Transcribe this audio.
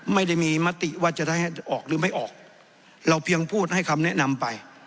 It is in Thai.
ไม่ได้มีมติว่าจะได้ให้ออกหรือไม่ออกเราเพียงพูดให้คำแนะนำไป